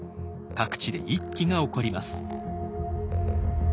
各地で一揆が起こります。